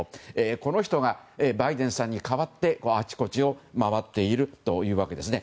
この人がバイデンさんに代わってあちこちを回っているというわけですね。